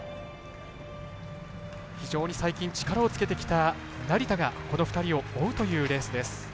非常に最近、力をつけてきた成田が、この２人を追うというレースです。